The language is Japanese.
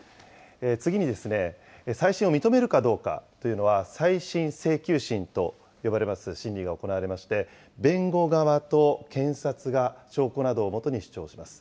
次に、再審を認めるかどうかというのは、再審請求審と呼ばれます審理が行われまして、弁護側と検察が証拠などをもとに主張します。